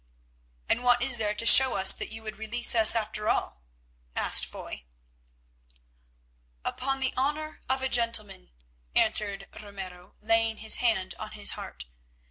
"And what is there to show us that you would release us after all?" asked Foy. "Upon the honour of a gentleman," answered Ramiro laying his hand on his heart.